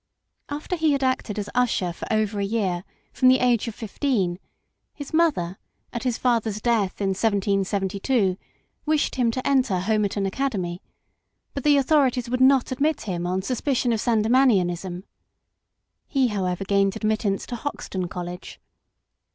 After he had acted as usher for over a year, from the age of fifteen, his mother, at his father's death in 1772, wished him to enter Homerton Academy; but the authorities would not admit him on suspicion of Sandemanianism. He, however, gained admittance to Hoxtoii College.